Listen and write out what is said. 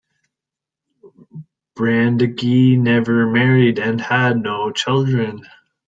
Brandegee never married and had no children.